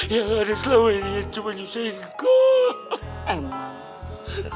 yang ada selama ini iyan cuma nyusahin kak